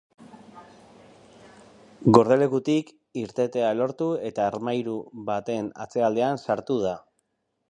Gordelekutik irtetea lortu, eta armairu baten atzealdean sartu da.